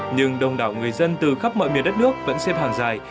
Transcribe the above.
nhưng đông đảo người dân từ khắp mọi miền đất nước vẫn xếp hàng dài